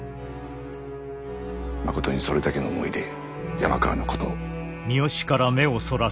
まことにそれだけの思いで山川のことを？